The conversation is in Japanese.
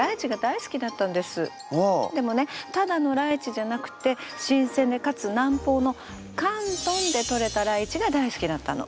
私ねでもねただのライチじゃなくて新鮮でかつ南方の広東でとれたライチが大好きだったの。